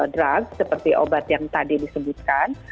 drug seperti obat yang tadi disebutkan